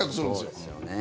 そうですよね。